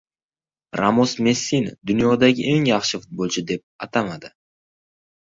Ramos Messini dunyoning eng yaxshi futbolchisi deb atamadi